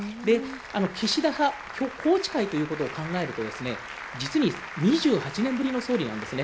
岸田派、宏池会ということを考えると実に２８年ぶりの総理なんですね。